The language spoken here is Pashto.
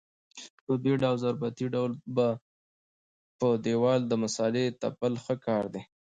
په بېړه او ضربتي ډول په دېوال د مسالې تپل ښه کار دی.